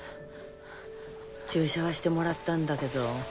注射はしてもらったんだけど。